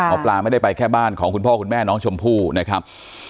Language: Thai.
หมอปลาไม่ได้ไปแค่บ้านของคุณพ่อคุณแม่น้องชมพู่นะครับ